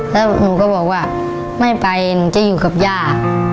แล้วหนูก็บอกว่าไม่ไปหนูจะอยู่กับย่า